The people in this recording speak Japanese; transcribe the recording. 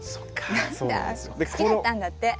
好きだったんだって。